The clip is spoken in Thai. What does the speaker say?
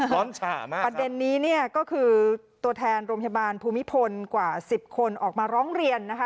ร้อนฉ่ามากประเด็นนี้เนี่ยก็คือตัวแทนโรงพยาบาลภูมิพลกว่าสิบคนออกมาร้องเรียนนะคะ